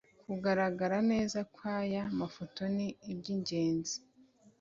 kugaragara neza kwaya mafoto ni iby’ingenzi